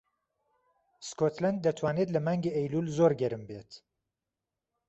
سکۆتلاند دەتوانێت لە مانگی ئەیلوول زۆر گەرم بێت.